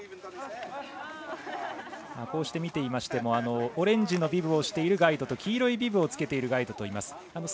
こうして見ていましてもオレンジのビブをしているガイドと黄色いビブをしているガイドがいます。